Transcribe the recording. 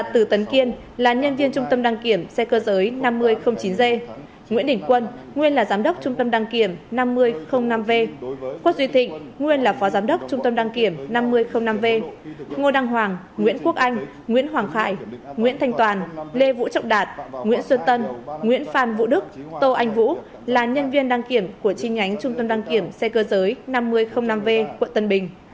từ tấn kiên là nhân viên trung tâm đăng kiểm xe cơ giới năm nghìn chín g nguyễn đỉnh quân nguyên là giám đốc trung tâm đăng kiểm năm nghìn năm v quốc duy thịnh nguyên là phó giám đốc trung tâm đăng kiểm năm nghìn năm v ngô đăng hoàng nguyễn quốc anh nguyễn hoàng khải nguyễn thanh toàn lê vũ trọng đạt nguyễn xuân tân nguyễn phan vũ đức tô anh vũ là nhân viên đăng kiểm của chi nhánh trung tâm đăng kiểm xe cơ giới năm nghìn năm v quận tân bình